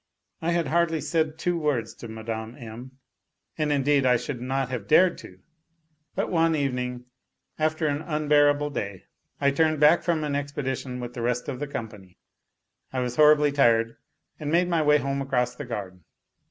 I had hardly said two words to Mme. M., and indeed I should not have dared to. But one evening after an unbearable day I turned back from an expedition with the rest of the company. I was horribly tired and made my way home across the garden.